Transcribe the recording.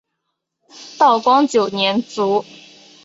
道光九年卒。